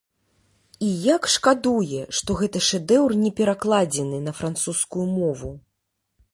І як шкадуе, што гэты шэдэўр не перакладзены на французскую мову!